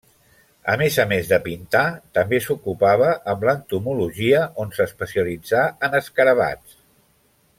A més a més de pintar, també s'ocupava amb l'entomologia, on s'especialitzà en escarabats.